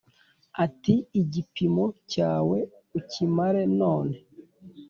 uti : igipimo cyawe ukimare none